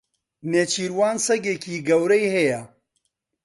نێچیروان سەگێکی گەورەی هەیە.